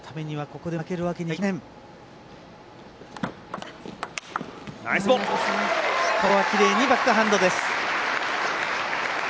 ここはきれいにバックハンドです。